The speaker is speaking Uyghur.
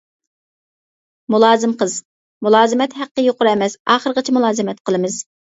مۇلازىم قىز:-مۇلازىمەت ھەققى يۇقىرى ئەمەس، ئاخىرغىچە مۇلازىمەت قىلىمىز.